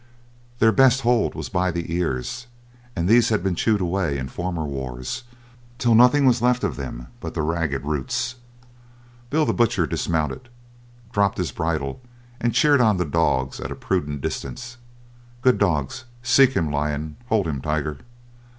Their best hold was by the ears, and these had been chewed away in former wars, till nothing was left of them but the ragged roots. Bill the Butcher dismounted, dropped his bridle, and cheered on the dogs at a prudent distance, "Good dogs; seek him Lion; hold him Tiger."